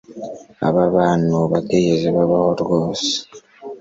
Aba bantu batigeze babaho rwose